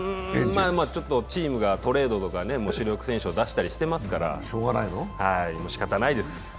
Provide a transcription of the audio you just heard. チームがトレードとか主力選手を出したりしてますからしかたないです。